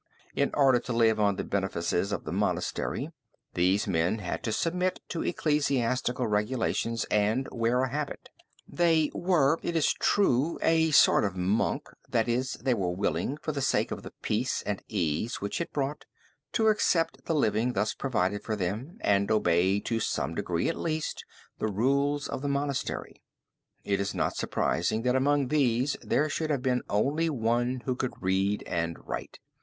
In order to live on the benefices of the monastery these men had to submit to ecclesiastical regulations and wear the habit. They were, it is true, a sort of monk, that is, they were willing, for the sake of the peace and ease which it brought, to accept the living thus provided for them and obey to some degree at least the rules of the monastery. It is not surprising that among these there should have been only one who could read and write.